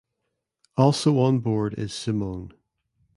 Also on board is Simone.